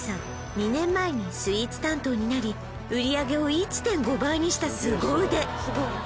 ２年前にスイーツ担当になり売上を１．５倍にしたスゴ腕